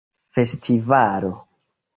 festivalo